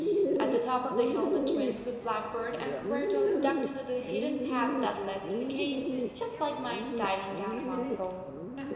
At the top of the hill, the Twins, with Blackbird and Squaretoes, ducked into the hidden path that led to the cave, just like mice diving down a mouse hole.